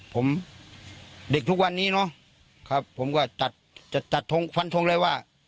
ผมเด็กทุกวันนี้เนอะครับผมก็ตัดจะตัดทงฟันทงเลยว่า